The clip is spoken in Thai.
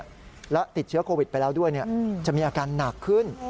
แล้วติดเชื้อโควิดไปแล้วด้วยจะมีอาการหนักขึ้น